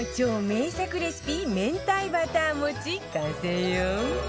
レシピ明太バター餅完成よ